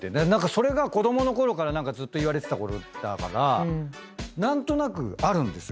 それが子供のころからずっと言われてたことだから何となくあるんですよ